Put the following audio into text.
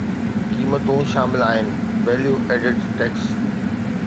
قيمتون شامل آهن ويليو ايڊڊ ٽيڪس